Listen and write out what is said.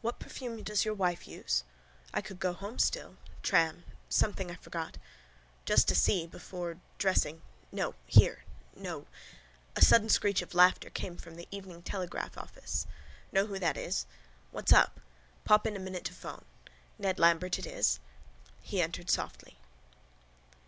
What perfume does your wife use? I could go home still: tram: something I forgot. Just to see: before: dressing. No. Here. No. A sudden screech of laughter came from the Evening Telegraph office. Know who that is. What's up? Pop in a minute to phone. Ned Lambert it is. He entered softly.